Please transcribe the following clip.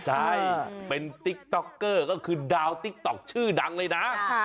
ใช่เป็นติ๊กต๊อกเกอร์ก็คือดาวติ๊กต๊อกชื่อดังเลยนะ